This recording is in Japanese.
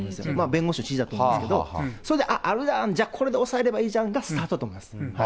弁護士の指示だと思うんですけれども、それであっ、あるじゃん、じゃあ、これで押さえればいいじゃんがスタートだと思います。